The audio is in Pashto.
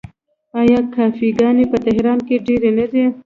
آیا کافې ګانې په تهران کې ډیرې نه دي؟